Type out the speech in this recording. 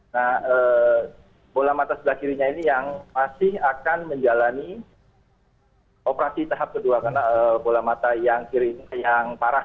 nah bola mata sebelah kirinya ini yang masih akan menjalani operasi tahap kedua karena bola mata yang kiri ini yang parah